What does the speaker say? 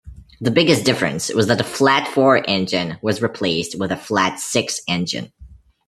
The biggest difference was that the flat-four engine was replaced with a flat-six engine.